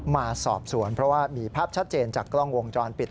มาสอบสวนเพราะว่ามีภาพชัดเจนจากกล้องวงจรปิด